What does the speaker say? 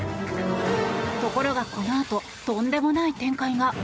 ところが、このあととんでもない展開が。